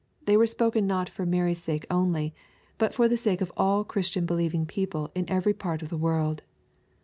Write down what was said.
They were spoken not for Mary's sake only, but for the sake of all Christ's be lieving people in every part of the world.